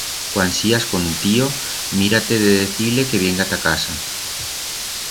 Cuan sías con tío, mira-te de decir-le que vienga ta casa.